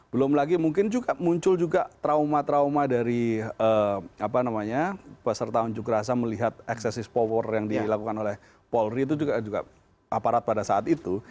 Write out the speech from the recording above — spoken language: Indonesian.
belum lagi mungkin juga muncul juga trauma trauma dari peserta unjuk rasa melihat eksesis power yang dilakukan oleh polri itu juga aparat pada saat itu